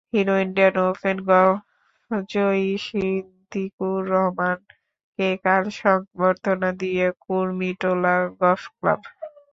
Hero Indian open গলফজয়ী সিদ্দিকুর রহমানকে কাল সংবর্ধনা দিয়েছে কুর্মিটোলা গলফ ক্লাব।